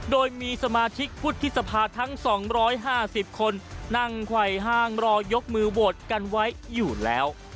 โดยมีสมาชิกวุฒิสภาทั้ง๒๕๐คนนั่งไขว่ห้างรอยกมือโหวตกันไว้อยู่แล้ว